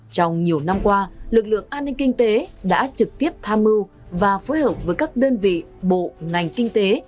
trong nhiều năm qua lực lượng an ninh kinh tế đã trực tiếp tham mưu và phối hợp với các đơn vị bộ ngành kinh tế